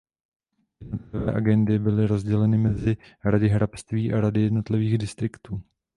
Jednotlivé agendy byly rozděleny mezi rady hrabství a rady jednotlivých distriktů.